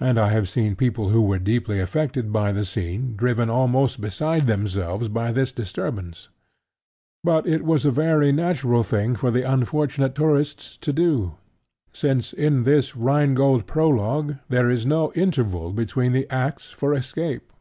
And I have seen people who were deeply affected by the scene driven almost beside themselves by this disturbance. But it was a very natural thing for the unfortunate tourists to do, since in this Rhine Gold prologue there is no interval between the acts for escape.